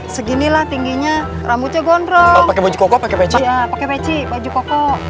seginilah tingginya rambutnya gondrong pakai baju koko pakai peci pakai peci baju koko